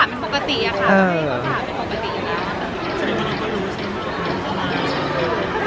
ก็ถามเป็นปกติอ่ะค่ะไม่ต้องถามเป็นปกติอีกแล้วค่ะ